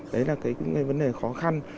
đấy là cái vấn đề khó khăn